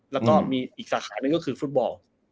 แล้วก็มีอีกสาขาหนึ่งก็คือฟุตบอล